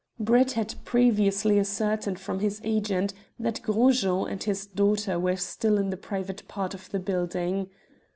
Brett had previously ascertained from his agent that Gros Jean and his daughter were still in the private part of the building.